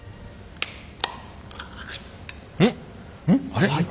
あれ？